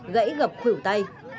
gãy gập khửu tay